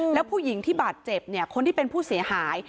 แล้วผู้หญิงที่บาดเจ็บเนี่ยคนที่เป็นผู้เสียหาย